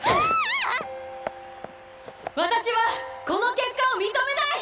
私はこの結果を認めない！